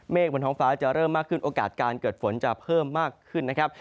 บนท้องฟ้าจะเริ่มมากขึ้นโอกาสการเกิดฝนจะเพิ่มมากขึ้นนะครับ